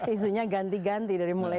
isunya ganti ganti dari mulai